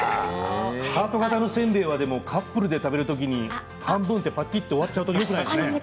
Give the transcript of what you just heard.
ハート形のせんべいはカップルで食べる時半分で、ぱきっと割っちゃうとよくないですね。